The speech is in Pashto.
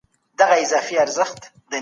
د بدن روغتیا یوه تحفه ده.